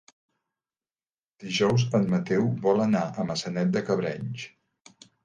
Dijous en Mateu vol anar a Maçanet de Cabrenys.